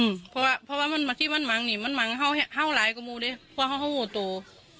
อืมเพราะว่ามันมาที่มันมังนี่มันมังเฮ่าหลายกระมูลดิเพราะว่าเฮ่าหัวตัว